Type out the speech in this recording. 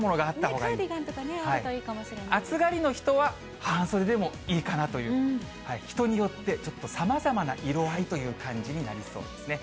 カーディガンとかあるといい暑がりの人は半袖でもいいかなという、人によってちょっとさまざまな色合いという感じになりそうですね。